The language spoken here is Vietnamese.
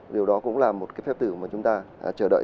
điều đó cũng là một cái phép thử mà chúng ta chờ đợi